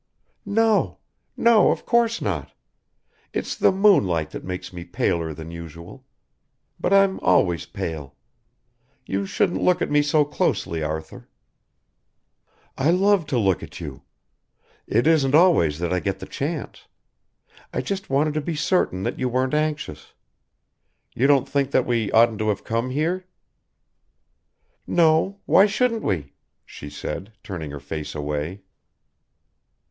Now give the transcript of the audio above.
"No, no of course not. It's the moonlight that makes me paler than usual. But I'm always pale. You shouldn't look at me so closely, Arthur." "I love to look at you. It isn't always that I get the chance. I just wanted to be certain that you weren't anxious. You don't think that we oughtn't to have come here?" "No, why shouldn't we?" she said, turning her face away.